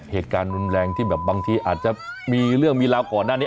เหตุการณ์รุนแรงที่แบบบางทีอาจจะมีเรื่องมีราวก่อนหน้านี้